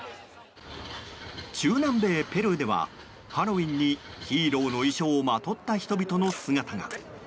中南米ペルーではハロウィーンにヒーローの衣装をまとった人々の姿が。